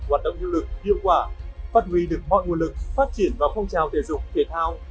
hoạt động hiệu lực hiệu quả phát huy được mọi nguồn lực phát triển vào phong trào thể dục thể thao